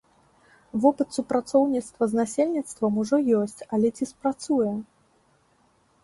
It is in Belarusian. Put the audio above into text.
Вопыт супрацоўніцтва з насельніцтвам ужо ёсць, але ці спрацуе?